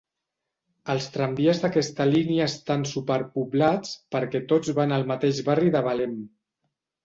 Els tramvies d'aquesta línia estan superpoblats perquè tots van al mateix barri de Belem.